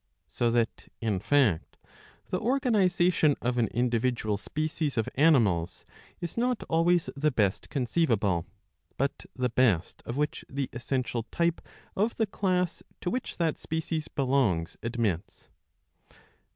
So that, in fact, the organisation of an individual species of animals is not always the best conceivable, but the best of which the essential type of the class to which that species belongs admits.